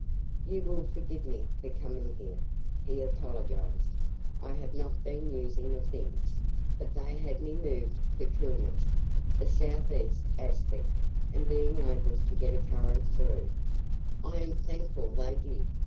"You will forgive me for coming here," he apologised. "I have not been using the things. But they had me moved for coolness the south east aspect, and being able to get a current through " "I am thankful they did.